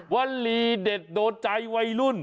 วลีเด็ดโดนใจวัยรุ่น